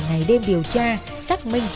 ngày đêm điều tra xác minh